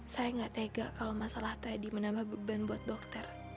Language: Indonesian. saya nggak tega kalau masalah tadi menambah beban buat dokter